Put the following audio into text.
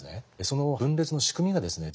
その分裂の仕組みがですね